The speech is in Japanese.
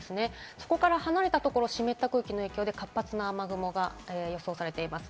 そこから離れたところ、湿った空気の影響で活発な雨雲が予想されています。